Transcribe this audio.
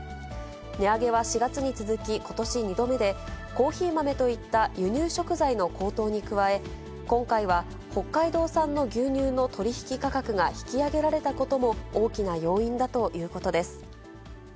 値上げは４月に続き、ことし２度目で、コーヒー豆といった輸入食材の高騰に加え、今回は北海道産の牛乳の取り引き価格が引き上げられたことも、大きな要因だということです。